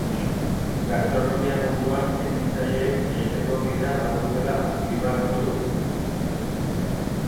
Gastronomia munduan ekintzaileek egiteko bidea badutela azpimarratu du.